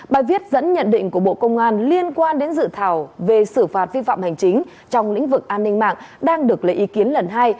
bài viết dẫn nhận định của bộ công an liên quan đến dự thảo về xử phạt vi phạm hành chính trong lĩnh vực an ninh mạng đang được lấy ý kiến lần hai